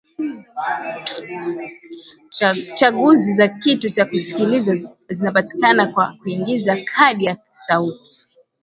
chaguzi za kitu cha kusikiliza zinapatikana kwa kuingiza kadi ya sauti